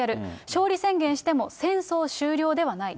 勝利宣言しても、戦争終了ではない。